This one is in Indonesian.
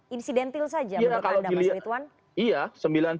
insidentil saja menurut anda mas rituan